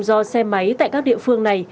do xe máy tại các địa phương này